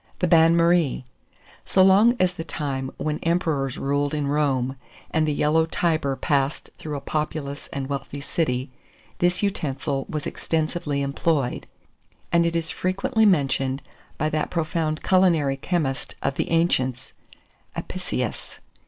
THE BAIN MARIE. So long ago as the time when emperors ruled in Rome, and the yellow Tiber passed through a populous and wealthy city, this utensil was extensively employed; and it is frequently mentioned by that profound culinary chemist of the ancients, Apicius.